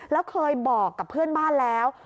แล้วเคยบอกกับเพื่อนบ้านแล้ว